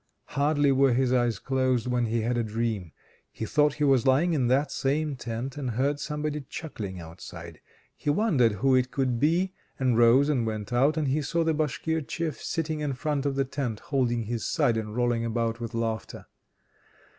Hardly were his eyes closed when he had a dream. He thought he was lying in that same tent, and heard somebody chuckling outside. He wondered who it could be, and rose and went out, and he saw the Bashkir Chief sitting in front of the tent holding his side and rolling about with laughter.